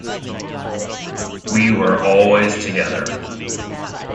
We were always together.